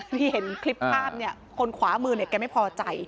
ที่เห็นคลิปภาพเนี่ยคนขวามือเนี่ยแกไม่พอใจ